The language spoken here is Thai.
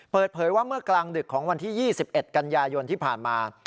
เปิดเผยว่าเมื่อกลางดึกของวันที่๒๑กันยายนที่ผ่านมา